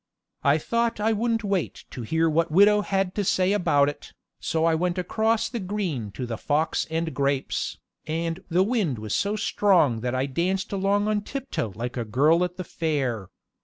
I thought I wouldn't wait to hear what widow had to say about it, so I went across the green to the Fox and Grapes, and the wind was so strong that I danced along on tiptoe like a girl at the fair.